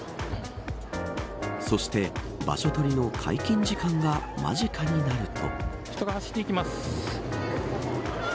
そして場所取りの解禁時間が間近になると。